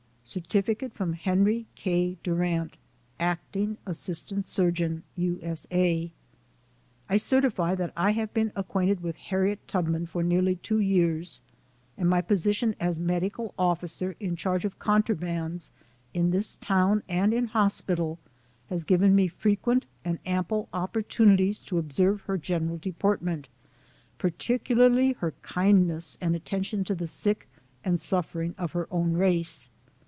Certificate from Henry K. Dum*ant, Acting Asst. Surgeon, U. 8. A. I certify that I have been acquainted with Har riet Tubman for nearly two years ; and my position 68 SOME SCENES IX THE as Medical Officer in charge of " contrabands " in this town and in hospital, has given me frequent and ample opportunities to observe her general de portment ; particularly her kindness and attention to the sick and suffering of her own race.